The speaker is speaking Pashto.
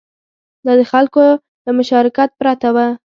دا د خلکو له مشارکت پرته و